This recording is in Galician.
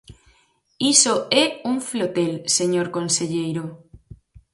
Iso é un flotel, señor conselleiro.